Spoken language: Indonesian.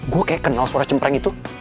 gue kayak kenal suara cempreng itu